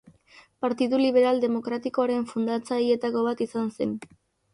Partidu Liberal Demokratikoaren fundatzaileetako bat izan zen.